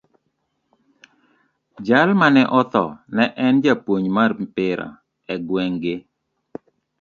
Jal mane otho ne en japuonj mar opira e gweng` gi.